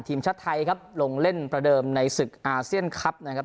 ทีมชาติไทยครับลงเล่นประเดิมในศึกอาเซียนคลับนะครับ